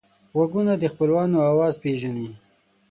غوږونه د خپلوانو آواز پېژني